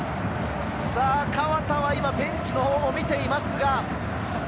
河田はベンチのほうを見ています。